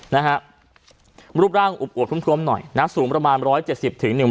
นะฮะรูปร่างอวดทุ่มทวมหน่อยนะสูงประมาณร้อยเจ็ดสิบถึงหนึ่ง